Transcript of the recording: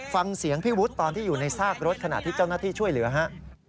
ฟังเสียงพี่วุฒิตอนที่อยู่ในซากรถขณะที่เจ้าหน้าที่ช่วยเหลือฮะ